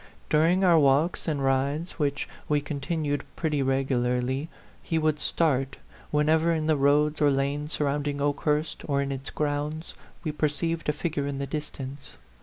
During our walks and rides, which A PHANTOM LOVER. 107 we continued pretty regularly, he would start whenever in the roads or lanes sur rounding Okehurst, or in its grounds, we perceived a figure in the distance.